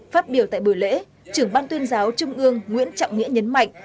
phát biểu tại buổi lễ trưởng ban tuyên giáo trung ương nguyễn trọng nghĩa nhấn mạnh